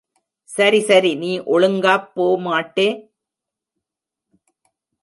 சரி சரி நீ ஒழுங்காப் போமாட்டே!